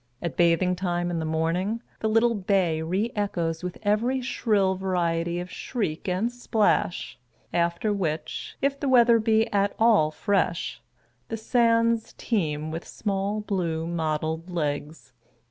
At bathing tirne in the morning, the little bay re echoes with every shrill variety of shriek and splash — after which, if the weather be at all fresh, the sands teem with small blue mottled legs.